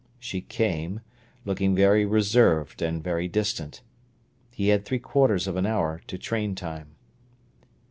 She came, looking very reserved and very distant. He had three quarters of an hour to train time.